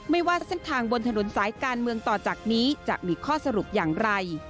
ว่าเส้นทางบนถนนสายการเมืองต่อจากนี้จะมีข้อสรุปอย่างไร